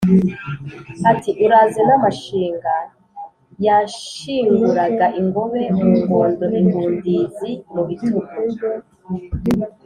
ati: uraze n’amashinga yanshinguraga ingobe mu ngondo ingundizi mu bitugu.